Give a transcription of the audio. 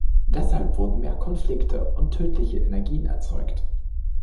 Deshalb wurden mehr Konflikte und tödliche Energien erzeugt.